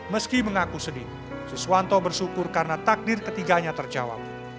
meski mengaku sedih siswanto bersyukur karena takdir ketiganya terjawab